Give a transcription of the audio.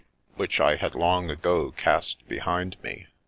which I had long ago cast be hind me.